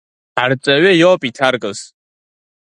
Ҳарҵаҩы иоуп иҭаркыз…